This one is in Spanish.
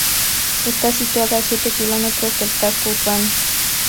Está situada a siete kilómetros del casco urbano.